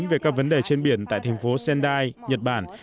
về các vấn đề trên biển tại thành phố sendai nhật bản